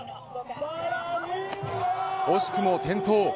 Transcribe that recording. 惜しくも転倒。